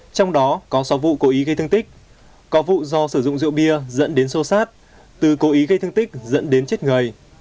trong đó có sáu vụ cố ý gây thương tích có vụ do sử dụng rượu bia dẫn đến sô sát từ cố ý gây thương tích dẫn đến chết người